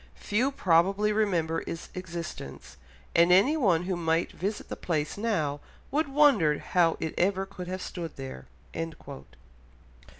Few probably remember its existence; and anyone who might visit the place now would wonder how it ever could have stood there."